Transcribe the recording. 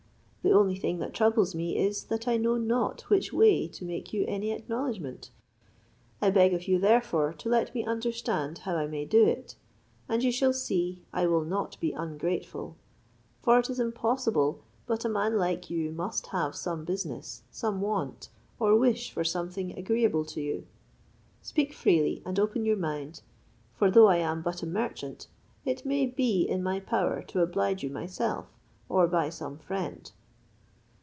The only thing that troubles me is, that I know not which way to make you any acknowledgment. I beg of you, therefore, to let me understand how I may do it' and you shall see I will not be ungrateful; for it is impossible but a man like you must have some business, some want, or wish for something agreeable to you. Speak freely, and open your mind; for though I am but a merchant, it may be in my power to oblige you myself, or by some friend."